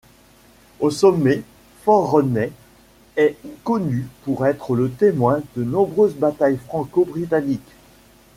Au sommet, Fort Rodney est connu pour être le témoin de nombreuses batailles franco-britanniques.